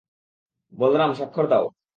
বলরাম, স্বাক্ষর দাও।